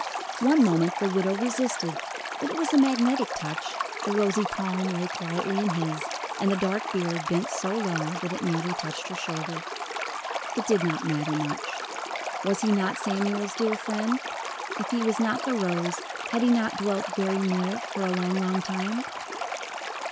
One moment the widow resisted, but it was a magnetic touch, the rosy palm lay quietly in his, and the dark beard bent so low that it nearly touched her shoulder. It did not matter much. Was he not Samuel's dear friend? If he was not the rose, had he not dwelt very near it, for a long, long time?